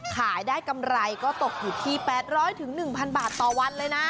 ขายได้กำไรก็ตกอยู่ที่๘๐๐๑๐๐บาทต่อวันเลยนะ